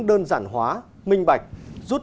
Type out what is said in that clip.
đơn giản hóa minh bạch rút